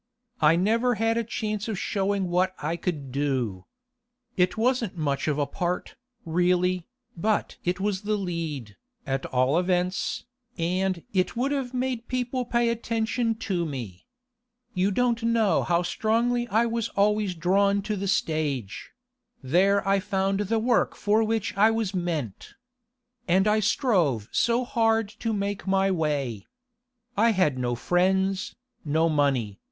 I had never had a chance of showing what I could do. It wasn't much of a part, really, but it was the lead, at all events, and it would have made people pay attention to me. You don't know how strongly I was always drawn to the stage; there I found the work for which I was meant. And I strove so hard to make my way. I had no friends, no money.